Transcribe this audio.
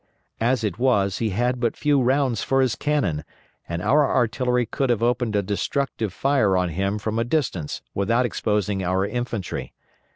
As it was, he had but few roads for his cannon, and our artillery could have opened a destructive fire on him from a distance without exposing our infantry.